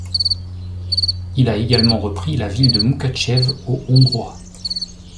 Il a également repris la ville de Moukatcheve aux Hongrois.